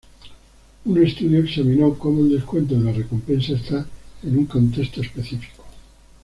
Un estudio examinó cómo el descuento de la recompensa está en un contexto específico.